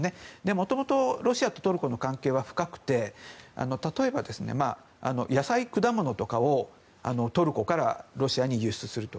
元々、ロシアとトルコの関係は深くて例えば野菜、果物とかをトルコからロシアに輸出すると。